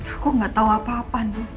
aku gak tahu apa apa nih